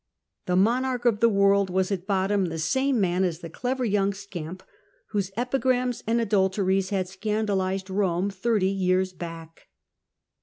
The monarch of the world was at bottom the same man as the clever young scamp whose epigrams and adulteries had scandalised Eome thirty years back.